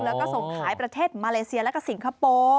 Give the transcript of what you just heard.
แล้วก็ส่งขายประเทศมาเลเซียแล้วก็สิงคโปร์